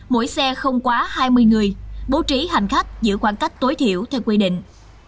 mỗi xe không quá hai mươi người bố trí hành khách giữ khoảng cách tối thiểu theo quy định